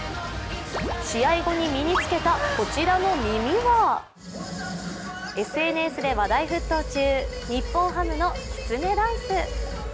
試合後に身に付けたこちらの耳はＳＮＳで話題沸騰中、日本ハムのきつねダンス。